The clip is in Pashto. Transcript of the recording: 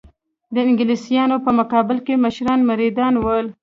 د انګلیسیانو په مقابل کې مشران مریدان ول.